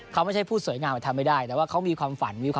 เขาไม่ใช้ผู้เศร้ายงามที่ทำได้แต่เขามีความฝันนะครับ